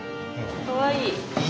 かわいい。